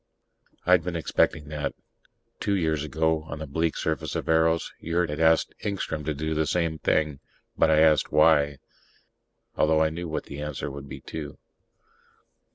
I'd been expecting that. Two years ago, on the bleak surface of Eros, Yurt had asked Engstrom to do the same thing. But I asked, "Why?" although I knew what the answer would be, too.